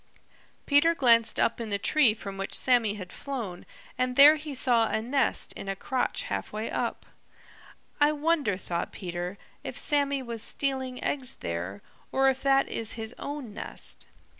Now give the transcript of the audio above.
Peter glanced up in the tree from which Sammy had flown and there he saw a nest in a crotch halfway up. "I wonder," thought Peter, "if Sammy was stealing eggs there, or if that is his own nest."